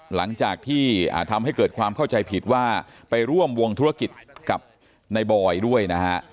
หลังจากที่ทำให้เกิดความเข้าใจผิดว่าไปร่วมวงธุรกิจกับในบอยด้วยนะฮะ